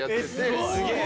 すげえ！